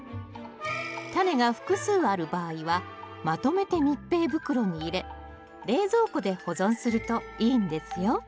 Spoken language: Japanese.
タネが複数ある場合はまとめて密閉袋に入れ冷蔵庫で保存するといいんですよ